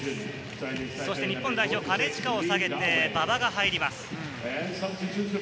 日本代表、金近を下げて馬場が入ります。